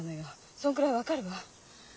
そんくらい分かるわ。